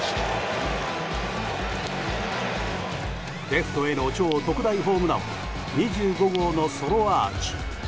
レフトへの超特大ホームランは２５号のソロアーチ。